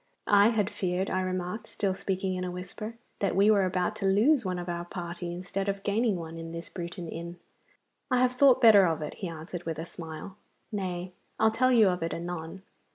'I had feared,' I remarked, still speaking in a whisper, 'that we were about to lose one of our party instead of gaining one in this Bruton inn.' 'I have thought better of it,' he answered, with a smile. 'Nay, I'll tell you of it anon.